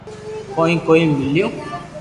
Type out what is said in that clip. ڪوئي ڪوئي ميليو